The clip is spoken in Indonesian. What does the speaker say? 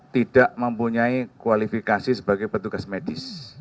tidak mempunyai kualifikasi sebagai petugas medis